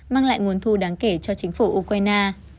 mang lại nguồn thu đáng kể cho chính phủ ukraine